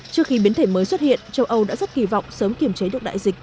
trước khi biến thể mới xuất hiện châu âu đã rất kỳ vọng sớm kiểm chế được đại dịch